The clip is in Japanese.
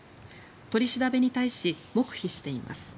取り調べに対し黙秘しています。